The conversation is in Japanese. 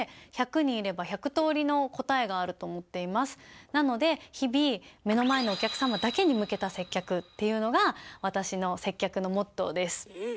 もうなので日々目の前のお客様だけに向けた接客っていうのが私の接客のモットーです。